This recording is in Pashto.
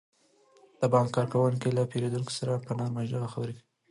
د بانک کارکوونکي له پیرودونکو سره په نرمه ژبه خبرې کوي.